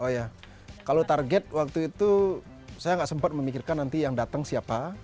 oh ya kalau target waktu itu saya nggak sempat memikirkan nanti yang datang siapa